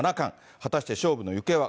果たして勝負の行方は。